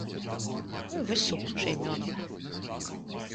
Такое вось сугучча імёнаў.